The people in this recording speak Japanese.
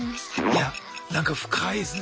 いやなんか深いですね